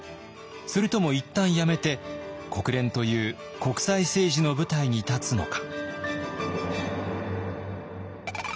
それとも一旦やめて国連という国際政治の舞台に立つのか。